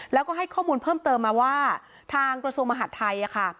แล้วก็ให้ข้อมูลเพิ่มเติมมาว่าทางกระทรวงมหาดไทยค่ะ